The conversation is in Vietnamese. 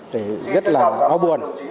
thì rất là lo buồn